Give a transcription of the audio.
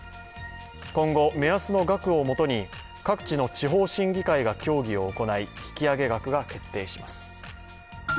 今後、目安の額をもとに各地の地方審議会が協議を行い、引き上げ額が決定します。